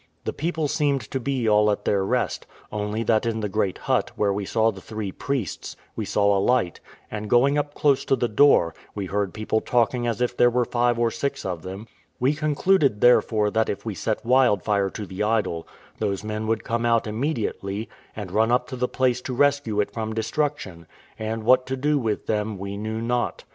The people seemed to be all at their rest; only that in the great hut, where we saw the three priests, we saw a light, and going up close to the door, we heard people talking as if there were five or six of them; we concluded, therefore, that if we set wildfire to the idol, those men would come out immediately, and run up to the place to rescue it from destruction; and what to do with them we knew not.